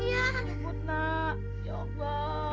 nyemput nak ya allah